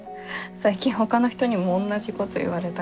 最近ほかの人にもおんなじこと言われたから。